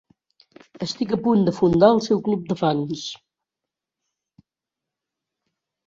Estic a punt de fundar el seu club de fans.